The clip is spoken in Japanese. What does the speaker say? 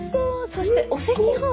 そしてお赤飯？